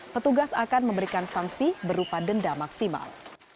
petugas akan memberikan sanksi berupa denda maksimal